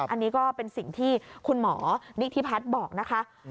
อันนี้ก็เป็นสิ่งที่คุณหมอนิธิพัฒน์บอกนะคะ